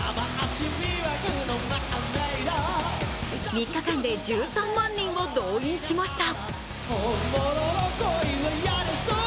３日間で１３万人を動員しました。